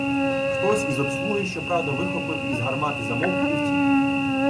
Хтось із обслуги, щоправда, вихопив із гармати замок і втік.